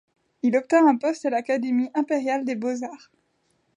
Il obtint un poste à l'Académie impériale des beaux-arts.